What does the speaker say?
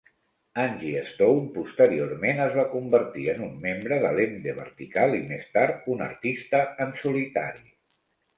Angie Stone posteriorment es va convertir en un membre de l'emde vertical i més tard un artista en solitari.